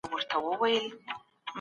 خوشال خان خبرې شروع کړي.